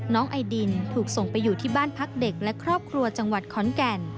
ไอดินถูกส่งไปอยู่ที่บ้านพักเด็กและครอบครัวจังหวัดขอนแก่น